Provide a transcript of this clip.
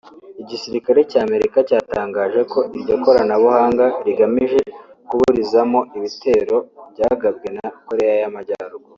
Igisirikare cya Amerika cyatangaje ko iryo koranabuhanga rigamije kuburizamo ibitero byagabwa na Korea ya Ruguru